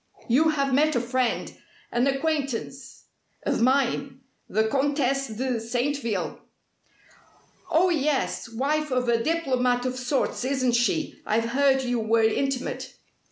You have met a friend an acquaintance of mine, the Comtesse de Saintville?" "Oh, yes wife of a diplomat of sorts, isn't she? I've heard you were intimate."